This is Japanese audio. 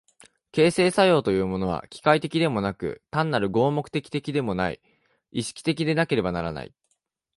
形成作用というのは機械的でもなく単なる合目的的でもない、意識的でなければならない。